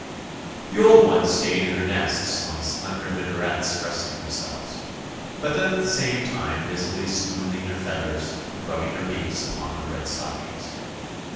The old ones stayed in their nests on the slender minarets resting themselves, but at the same time busily smoothing their feathers and rubbing their beaks upon their red stockings.